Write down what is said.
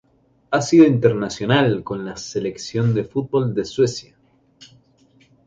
Ha sido internacional con la selección de fútbol de Suecia.